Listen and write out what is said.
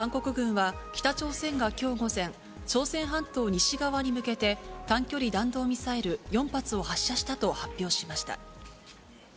韓国軍は北朝鮮がきょう午前、朝鮮半島西側に向けて、短距離弾道ミサイル４発を発射したと発表しました。